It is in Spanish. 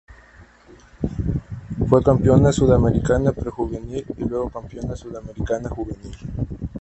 Fue campeona sudamericana pre-juvenil y luego campeona sudamericana juvenil.